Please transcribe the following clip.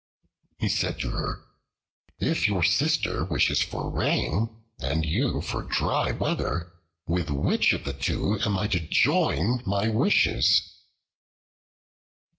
He said to her, "If your sister wishes for rain, and you for dry weather, with which of the two am I to join my wishes?"